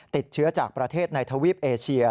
ติดเชื้อจากประเทศในทวีปเอเชีย